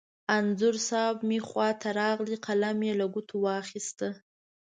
انځور صاحب مې خوا ته راغی، قلم یې له ګوتو واخست.